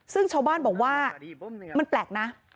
ซึ่งชาวบ้านบอกว่ามันแปลกนะ